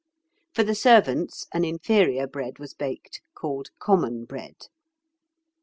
For the servants an inferior bread was baked, called "common bread."